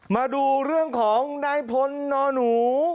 มาดูเรื่องของนายพลนอนหนู